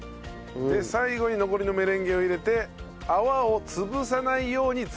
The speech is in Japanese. で最後に残りのメレンゲを入れて泡を潰さないようにさっくり混ぜる。